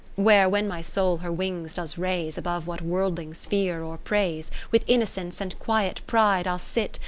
Where when my soul her wings does raise Above what worldlings fear or praise. With innocence and quiet pride I'll sit.